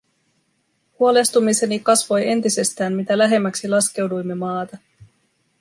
Huolestumiseni kasvoi entisestään mitä lähemmäksi laskeuduimme maata.